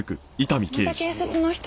また警察の人？